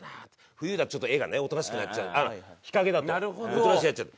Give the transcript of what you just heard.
冬だとちょっと画がねおとなしくなっちゃう日陰だとおとなしくなっちゃう。